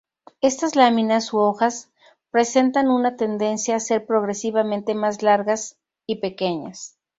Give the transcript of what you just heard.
Estas láminas u hojas presentan una tendencia a ser progresivamente más largas y pequeñas.